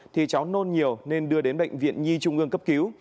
thì cháu nôn nhiều nên đưa đến bệnh viện nhi trung ương cấp cứu